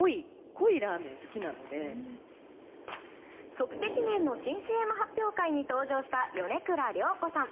即席麺の新ＣＭ発表会に登場した米倉涼子さん。